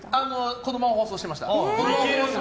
このまま放送してました。